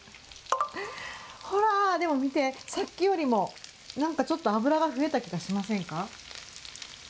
ほら、でも見て、さっきよりもなんかちょっと、脂が増えた気がし本当！